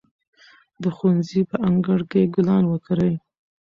د ښوونځي په انګړ کې ګلان وکرئ.